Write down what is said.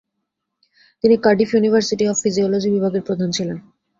তিনি Cardiff university of physiology বিভাগের প্রধান ছিলেন।